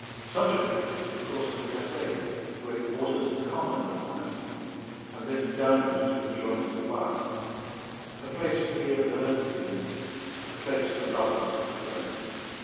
Such a place is the course of the Gazeille, where it waters the common of Monastier and thence downward till it joins the Loire; a place to hear birds singing; a place for lovers to frequent.